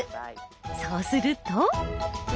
そうすると。